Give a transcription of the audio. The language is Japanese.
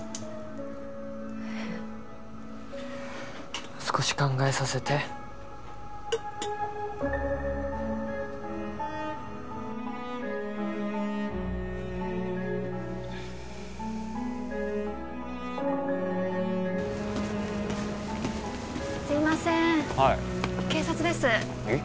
えっ少し考えさせてすいませーん警察ですえっ？